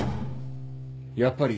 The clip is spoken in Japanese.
・やっぱり！